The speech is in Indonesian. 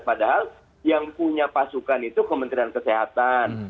padahal yang punya pasukan itu kementerian kesehatan